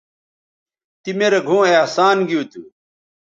تی می رے گھؤں احسان گیو تھو